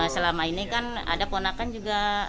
selama ini kan ada ponakan juga